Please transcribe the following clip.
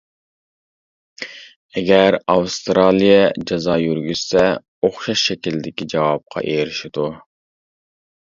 ئەگەر ئاۋسترالىيە جازا يۈرگۈزسە «ئوخشاش شەكىلدىكى» جاۋابقا ئېرىشىدۇ.